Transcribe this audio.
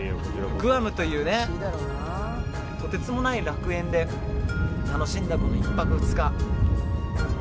グアムというとてつもない楽園で楽しんだ、この１泊２日。